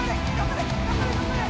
頑張れ頑張れ！